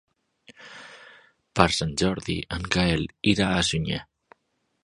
Per Sant Jordi en Gaël irà a Sunyer.